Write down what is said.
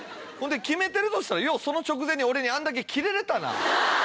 決めてるとしたらようその直前俺にあんだけキレれたな。